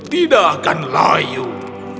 tidak akan hilang